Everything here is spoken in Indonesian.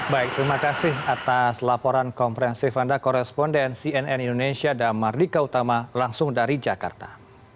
baik terima kasih atas laporan komprehensif anda koresponden cnn indonesia dan mardika utama langsung dari jakarta